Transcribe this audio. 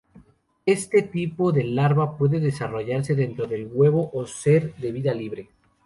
Este tipo de larva puede desarrollarse dentro del huevo o ser de vida libre.